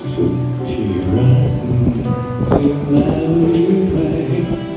สุขที่รักเรียกแล้วหรือไป